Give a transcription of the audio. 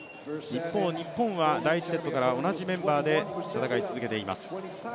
一方、日本は第１セットから同じメンバーで戦い続けています。